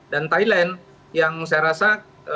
dan thailand yang saya rasa